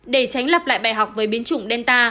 để tránh lập lại bài học với biến chủng delta